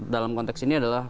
dalam konteks ini adalah